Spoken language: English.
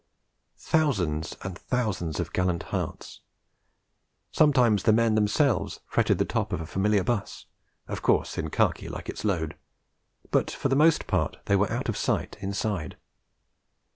Thousands and thousands of gallant hearts! Sometimes the men themselves fretted the top of a familiar 'bus of course in khaki like its load but for the most part they were out of sight inside.